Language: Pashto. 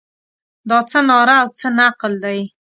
دا څه ناره او څه نقل دی.